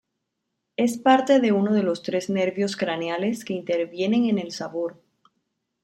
Es parte de uno de los tres nervios craneales que intervienen en el sabor.